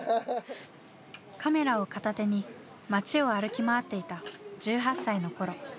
カメラを片手に街を歩き回っていた１８歳の頃。